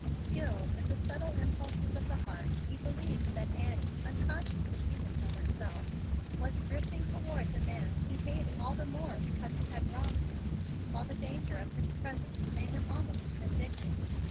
Skilled in the subtle impulses of the heart, he believed that Annie, unconsciously even to herself, was drifting toward the man he hated all the more because he had wronged him, while the danger of his presence made him almost vindictive.